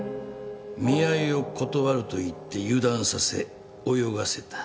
見合いを断ると言って油断させ泳がせた。